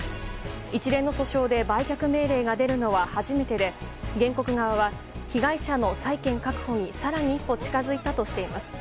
一連の訴訟で売却命令が出るのは初めてで原告側は、被害者の債権確保に更に一歩近づいたとしています。